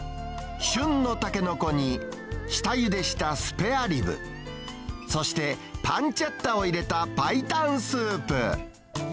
旬のタケノコに、下ゆでしたスペアリブ、そしてパンチェッタを入れたパイタンスープ。